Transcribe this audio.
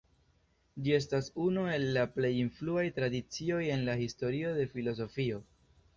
Ĝi estas unu el la plej influaj tradicioj en la historio de filozofio.